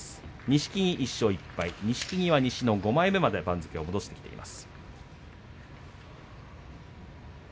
錦木は西の５枚目まで番付を戻してきています。